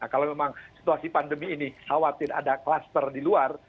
kalau memang situasi pandemi ini khawatir ada kluster di luar